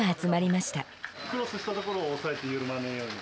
クロスしたところを押さえて緩まねえように。